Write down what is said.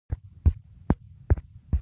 درناوی د انسان د اخلاقو ښودنه ده.